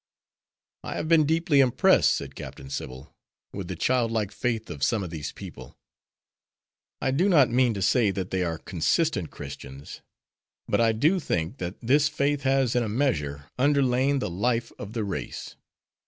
'" "I have been deeply impressed," said Captain Sybil, "with the child like faith of some of these people. I do not mean to say that they are consistent Christians, but I do think that this faith has in a measure underlain the life of the race.